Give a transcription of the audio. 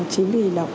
chỉ vì đọc